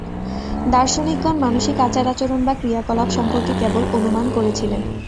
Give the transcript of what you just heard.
দার্শনিকগণ মানসিক আচার-আচরণ বা ক্রিয়া-কলাপ সম্পর্কে কেবল অনুমান করেছিলেন।